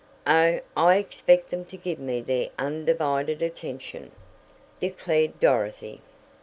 "Oh, I expect them to give me their undivided attention," declared Dorothy.